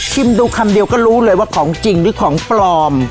ดูคำเดียวก็รู้เลยว่าของจริงหรือของปลอม